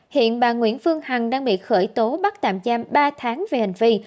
hiện bà nguyễn phương hằng đang bị khởi tố bắt tạm giam ba tháng về hành vi